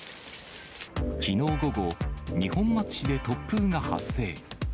きのう午後、二本松市で突風が発生。